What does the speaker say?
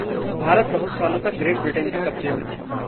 भारत बहुत सालों तक ग्रेट ब्रिटेन के कबज़े में था।